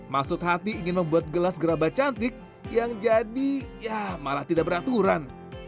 maksud hati ingin membuat gelas gerabah cantik yang jadi ya malah tidak beraturan